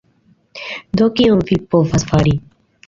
Do, kion vi povas fari?